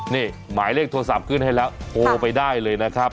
นี่หมายเลขโทรศัพท์ขึ้นให้แล้วโทรไปได้เลยนะครับ